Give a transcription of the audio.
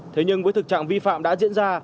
thế nhưng với thực trạng vi phạm đã diễn ra